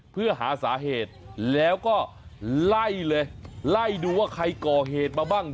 เพื่อหาสาเหตุแล้วก็ไล่เลยไล่ดูว่าใครก่อเหตุมาบ้าง